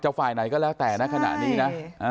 เจ้าฝ่ายไหนก็แล้วแต่นะขนาดนี้นะ